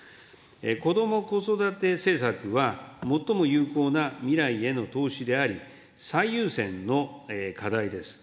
こども・子育て政策は、最も有効な未来への投資であり、最優先の課題です。